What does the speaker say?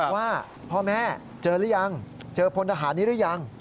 ว่าพ่อแม่เจอหรือยังเจอพลทหารนี้หรือยัง